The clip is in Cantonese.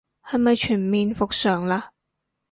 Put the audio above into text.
係咪全面復常嘞